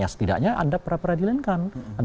setidaknya anda peradilinkan